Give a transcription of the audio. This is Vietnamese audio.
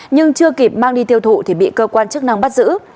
nhưng chưa kịp mang đi tiêu thụ thì bị cơ quan chức năng bắt giữ